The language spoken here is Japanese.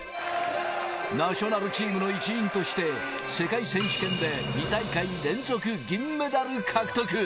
ナショナルチームの一員として世界選手権で２大会連続、銀メダル獲得。